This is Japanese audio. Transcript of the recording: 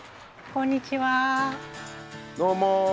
こんにちは。